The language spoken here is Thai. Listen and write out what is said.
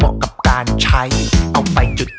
น้ำมันเชื้อเพลิงเอ๊ะคือ